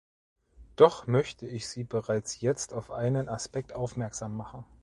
Doch möchte ich Sie bereits jetzt auf einen Aspekt aufmerksam machen.